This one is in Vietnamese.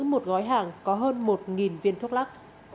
một gói hàng có hơn một viên thuốc lắc